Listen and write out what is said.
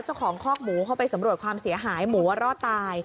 คอกหมูเข้าไปสำรวจความเสียหายหมูรอดตาย